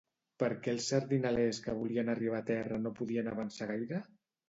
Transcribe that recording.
Per què els sardinalers que volien arribar a terra no podien avançar gaire?